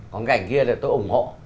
còn cái ảnh kia thì tôi ủng hộ